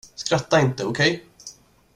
Skratta inte, okej?